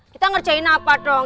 kita ngerjain apa dong